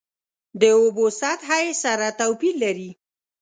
د اوبو سطحه یې سره توپیر لري.